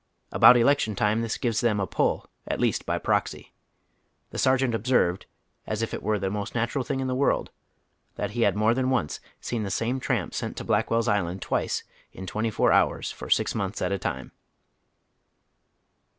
About election time this gives them a " pull," at least by praxy. The sergeant observed, as if it were the most natural thing in the world, that he had more than once seen the same tramp sent to Blackwell's Island twice in twenty four hours for six months at a time.